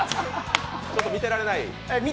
ちょっと見てられない。